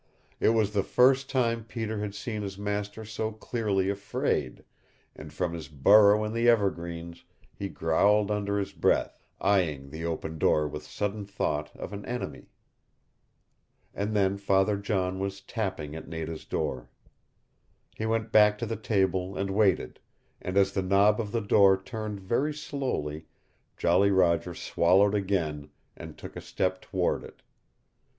It was the first time Peter had seen his master so clearly afraid, and from his burrow in the evergreens he growled under his breath, eyeing the open door with sudden thought of an enemy. And then Father John was tapping at Nada's door. He went back to the table and waited, and as the knob of the door turned very slowly Jolly Roger swallowed again, and took a step toward it.